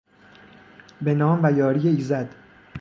به نام و یاری ایزد